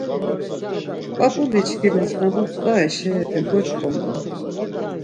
P̆ap̆uliçkimis na butzvare şeyepe goç̌ǩondun.